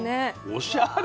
おしゃれ！